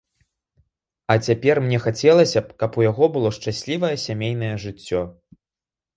А цяпер, мне хацелася б, каб у яго было шчаслівае сямейнае жыццё.